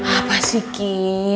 apa sih ki